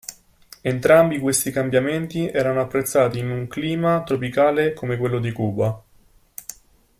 Entrambi questi cambiamenti erano apprezzati in un clima tropicale come quello di Cuba.